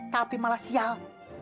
tapi malah sial